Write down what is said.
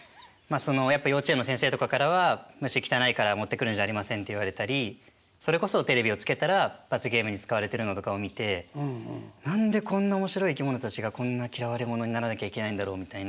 そのやっぱ幼稚園の先生とかからは虫汚いから持ってくるんじゃありませんって言われたりそれこそテレビをつけたら罰ゲームに使われてるのとかを見て何でこんな面白い生き物たちがこんな嫌われ者にならなきゃいけないんだろうみたいな。